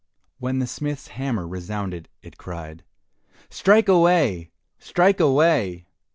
When the smith's hammer resounded, it cried, "Strike away! strike away."